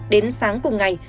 đến sáng cùng ngày